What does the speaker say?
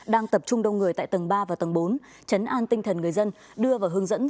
đang tập trung đông người tại tầng ba và tầng bốn chấn an tinh thần người dân đưa vào hướng dẫn